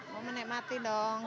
mau menikmati dong